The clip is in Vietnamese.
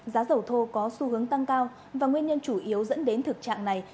giá dầu thô có xu hướng tăng cao và nguyên nhân chủ yếu dẫn đến thực trạng này